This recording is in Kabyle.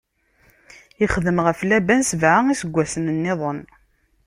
Ixdem ɣef Laban sebɛa n iseggasen-nniḍen.